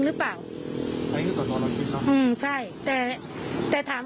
แล้วก็เอาปืนยิงจนตายเนี่ยมันก็อาจจะเป็นไปได้จริง